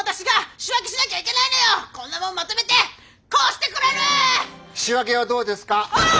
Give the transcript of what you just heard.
仕分けはどうですか？